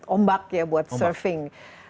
ombak ya buat surfing